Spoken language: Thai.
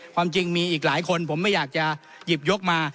ความจริงมีอีกหลายคนผมไม่อยากจะหยิบยกมา